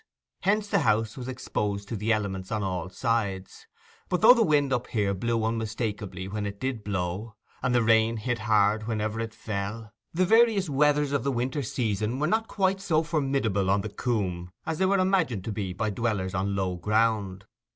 Hence the house was exposed to the elements on all sides. But, though the wind up here blew unmistakably when it did blow, and the rain hit hard whenever it fell, the various weathers of the winter season were not quite so formidable on the coomb as they were imagined to be by dwellers on low ground.